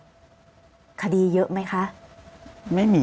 ก็คลิปออกมาแบบนี้เลยว่ามีอาวุธปืนแน่นอน